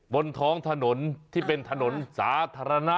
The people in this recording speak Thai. บนท้องถนนที่เป็นถนนสาธารณะ